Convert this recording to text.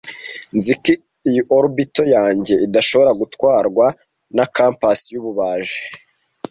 Nzi ko iyi orbit yanjye idashobora gutwarwa na compas yububaji,